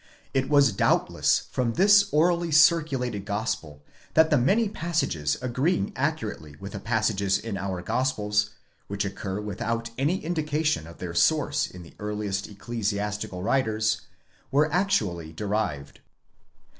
It was doubtless from this orally circulated Gospel that the many passages agreeing accurately with passages in our Gospels, which occur without any indication of their source in the earliest ecclesiastical writers, were actually derived.